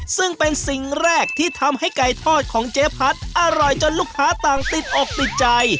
ซึ่งเป็นสิ่งแรกที่ทำให้ไก่ทอดของเจ๊พัดอร่อยจนลูกค้าต่างติดอกติดใจ